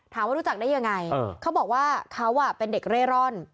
ถามว่ารู้จักได้ยังไงเค้าบอกว่าเค้าเป็นเด็กเร่ร่อน